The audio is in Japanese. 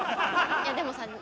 いやでもさ